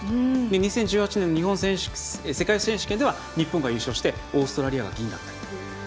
２０１８年の世界選手権では日本が優勝してオーストラリアが銀だったりという。